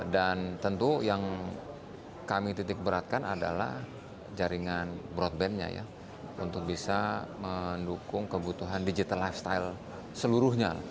dan tentu yang kami titik beratkan adalah jaringan broadbandnya untuk bisa mendukung kebutuhan digital lifestyle seluruhnya